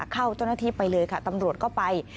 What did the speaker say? เจ้าหน้าที่ไปเลยค่ะตำรวจก็ไป